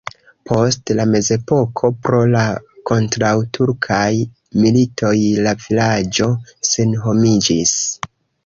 Post la mezepoko pro la kontraŭturkaj militoj la vilaĝo senhomiĝis.